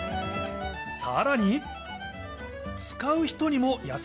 さらに。